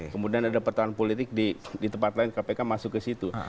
kemudian ada pertahanan politik di tempat lain kpk masuk ke situ